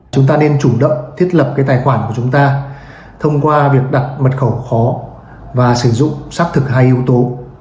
chúng ta nên chủ động thiết lập cái tài khoản của chúng ta thông qua việc đặt mật khẩu khó và sử dụng xác thực hai yếu tố